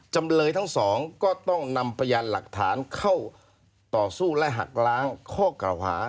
จำเลยทั้งสองก็ต้องนำพยานหลักฐานเข้าต่อสู้และหักล้างข้อกล่าวหา